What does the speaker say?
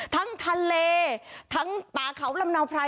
ทั้งทะเลทั้งป่าเขาลำเนาไพร